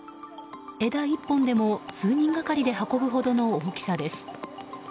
枝１本でも数人がかりで運ぶほどの大きさです。